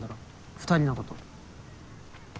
２人のこと。